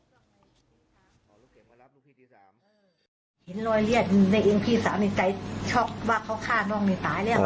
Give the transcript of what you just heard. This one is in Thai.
เห็นรอยเลือดในเองพี่สาวในใจชอบว่าเขาฆ่าน่องนี่ตายแล้ว